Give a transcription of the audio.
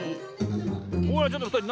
おいちょっとふたり